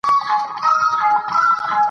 بهرنیان باید هېواد ته راشي.